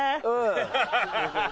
アハハハ！